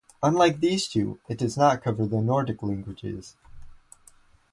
Unlike these two, it does not cover the Nordic languages.